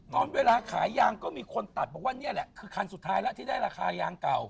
ตอนเวลาขายยางก็มีคนตัดบอกว่านี่แหละคือคันสุดท้ายแล้วที่ได้ราคายางเก่า